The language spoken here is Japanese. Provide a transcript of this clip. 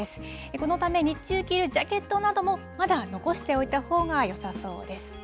このため、日中、着るジャケットなども、まだ残しておいたほうがよさそうです。